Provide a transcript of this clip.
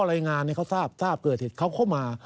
รายงานให้เขาทราบเกิดเหตุเขาก็มา